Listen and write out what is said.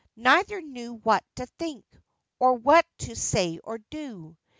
Neither knew what to think, or what to say or do.